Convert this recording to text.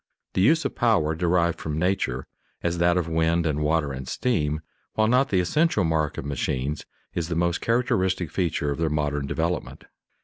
The use of power derived from nature, as that of wind and water and steam, while not the essential mark of machines, is the most characteristic feature of their modern development.